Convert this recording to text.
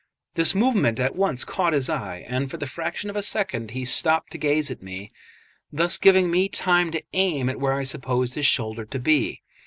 This movement at once caught his eye, and for the fraction of a second he stopped to gaze at me, thus giving me time to aim at where I supposed his shoulder to be.